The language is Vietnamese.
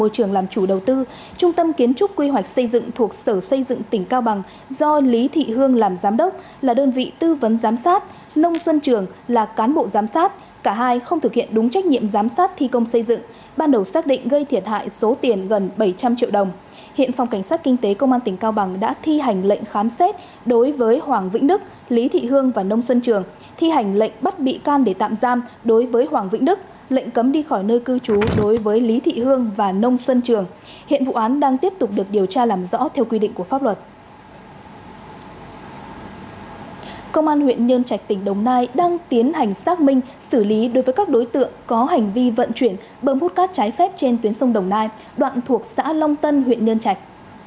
công an huyện nhân trạch tỉnh đồng nai đang tiến hành xác minh xử lý đối với các đối tượng có hành vi vận chuyển bơm hút cát trái phép trên tuyến sông đồng nai đoạn thuộc xã long tân huyện nhân trạch